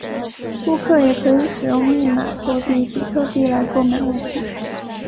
顾客也可以使用密码货币比特币来购买物品。